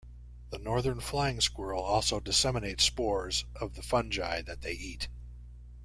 The northern flying squirrel also disseminates spores of the fungi that they eat.